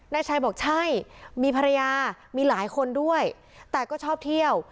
นายชัยบอกใช่มีภรรยามีหลายคนด้วยแต่ก็ชอบเที่ยว